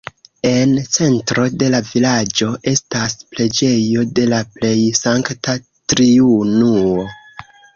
En centro de la vilaĝo estas preĝejo de la Plej Sankta Triunuo.